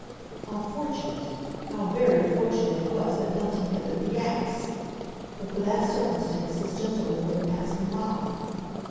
How fortunate, how very fortunate it was that Bunting had lit the gas! But for that circumstance this gentleman would have passed them by.